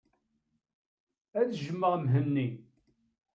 Ad jjmeɣ Mhenni.